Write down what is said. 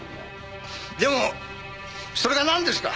でもそれがなんですか？